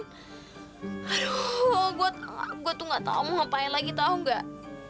aduh gue tuh itu ngga tau mau ngapain lagi tau gak